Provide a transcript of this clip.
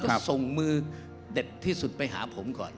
ส่งมือเด็ดที่สุดไปหาผมก่อน